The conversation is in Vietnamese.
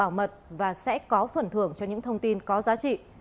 hãy báo mật và sẽ có phần thưởng cho những thông tin có giá trị